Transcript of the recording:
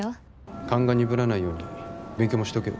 勘が鈍らないように勉強もしとけよ。